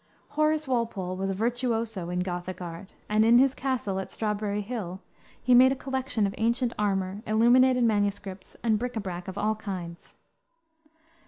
Horace Walpole was a virtuoso in Gothic art, and in his castle, at Strawberry Hill, he made a collection of ancient armor, illuminated MSS., and bric a brac of all kinds.